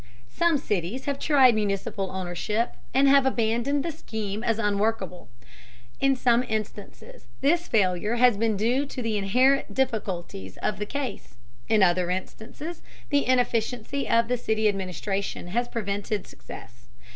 Some cities have tried municipal ownership and have abandoned the scheme as unworkable. In some instances this failure has been due to the inherent difficulties of the case, in other instances the inefficiency of the city administration has prevented success.